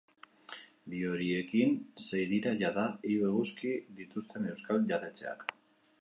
Bi horiekin sei dira jada hiru eguzki dituzten euskal jatetxeak.